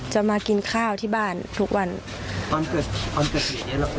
มากินข้าวที่บ้านทุกวันตอนเกิดตอนเกิดเหตุเนี้ยแล้ว